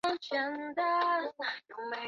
中国共产党第十八届中央委员会候补委员。